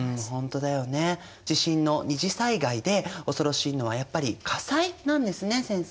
地震の二次災害で恐ろしいのはやっぱり火災なんですね先生。